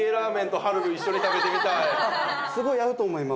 すごい合うと思います。